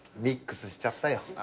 ミックスしちゃったよ。